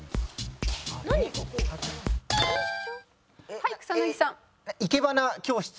はい草薙さん。